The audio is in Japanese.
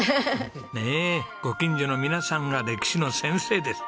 ねえご近所の皆さんが歴史の先生です。